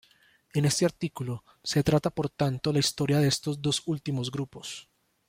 En este artículo se trata por tanto la historia de estos dos últimos grupos.